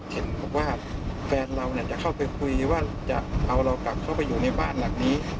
เห็นบอกว่าแฟนเราจะเข้าไปคุยว่าจะเอาเรากลับเข้าไปอยู่ในบ้านหลังนี้